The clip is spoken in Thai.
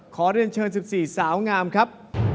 ขอเรียนเชิญ๑๔สาวงามครับ